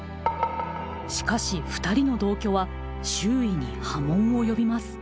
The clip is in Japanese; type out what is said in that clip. しかしふたりの同居は周囲に波紋を呼びます。